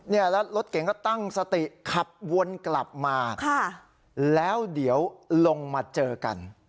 แล้วรถเก่งก็ตั้งสติขับวนกลับมาแล้วเดี๋ยวลงมาเจอกัน